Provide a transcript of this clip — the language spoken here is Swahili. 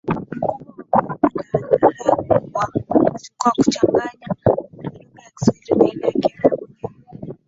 mkubwa wa kuimba taarabu kwa kuchanganya lugha ya kiswahili na ile ya kiarabu Nyimbo